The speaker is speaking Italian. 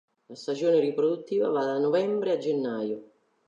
La stagione riproduttiva va da novembre a gennaio.